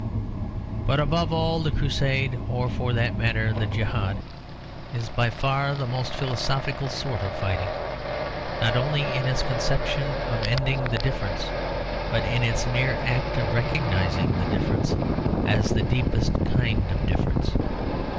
But above all the Crusade, or, for that matter, the Jehad, is by far the most philosophical sort of fighting, not only in its conception of ending the difference, but in its mere act of recognising the difference, as the deepest kind of difference.